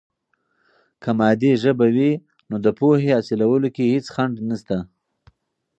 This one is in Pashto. که مادي ژبه وي، نو د پوهې حاصلولو کې هیڅ خنډ نسته.